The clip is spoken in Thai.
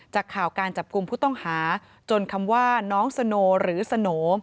จากข่าวการจับกลุ่มผู้ต้องหาจนคำว่าน้องสโนหรือสโน